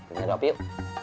ini ada opi yuk